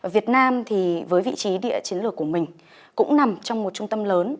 việt nam thì với vị trí địa chiến lược của mình cũng nằm trong một trung tâm lớn